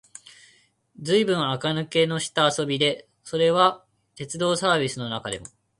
ずいぶん垢抜けのした遊戯で、それは鉄道のサーヴィスの中でも、